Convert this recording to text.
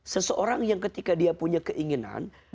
seseorang yang ketika dia punya keinginan